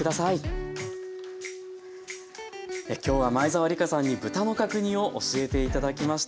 今日は前沢リカさんに豚の角煮を教えて頂きました。